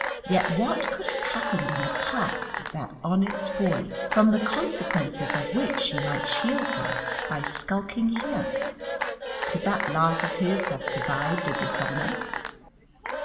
Yet what could have happened in the past of that honest boy from the consequences of which she might shield him by skulking here? Could that laugh of his have survived a dishonour?